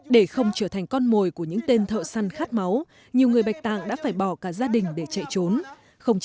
để không trở thành con mồi của những tên thợ săn khát máu nhiều người bạch tạng đã phải bỏ cả gia đình để chạy trốn